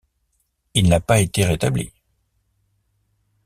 Il n'a pas été rétabli.